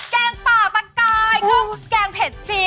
แกงป่าปรากกายแกงเผ็ดสี